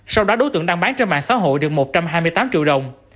sau đó đối tượng đang bán trên mạng xã hội được một trăm hai mươi tám triệu đồng